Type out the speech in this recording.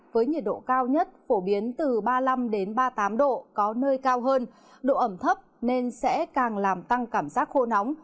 với nhiệt độ cao nhất phổ biến từ ba mươi năm ba mươi tám độ có nơi cao hơn độ ẩm thấp nên sẽ càng làm tăng cảm giác khô nóng